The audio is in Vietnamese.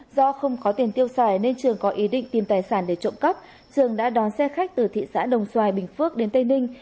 do không có tiền tiêu xài nên trường có ý định tìm tài sản để trộm cắp trường đã đón xe khách từ thị xã đồng xoài bình phước đến tây ninh